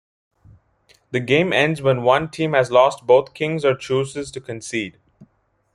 The game ends when one team has lost both kings or chooses to concede.